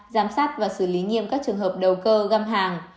giám sát và xử lý nghiêm các trường hợp đầu cơ găm hàng